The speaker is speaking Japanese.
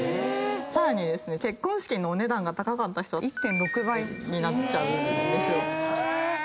さらに結婚式のお値段が高かった人１．６倍になっちゃう。